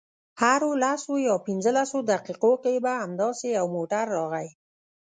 هرو لسو یا پنځلسو دقیقو کې به همداسې یو موټر راغی.